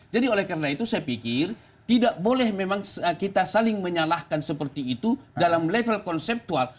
jadi oleh karena itu saya pikir tidak boleh memang kita saling menyalahkan seperti itu dalam level konseptual